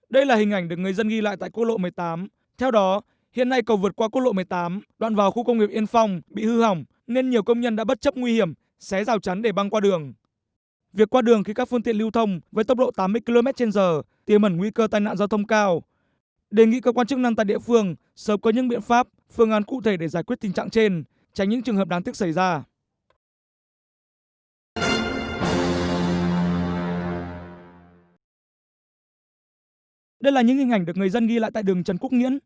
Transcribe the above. đây là những hình ảnh được người dân ghi lại tại đường trần quốc nguyễn